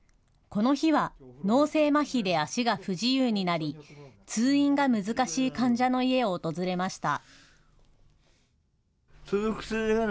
この日は、脳性まひで足が不自由になり、通院が難しい患者の家を訪れました。